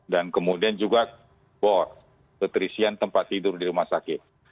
dan kemudian juga board petrisian tempat tidur di rumah sakit